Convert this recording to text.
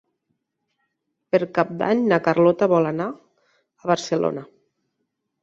Per Cap d'Any na Carlota vol anar a Barcelona.